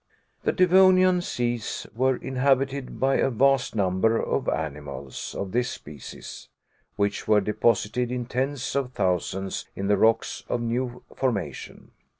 The Devonian seas were inhabited by a vast number of animals of this species, which were deposited in tens of thousands in the rocks of new formation.